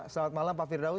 selamat malam pak firdaus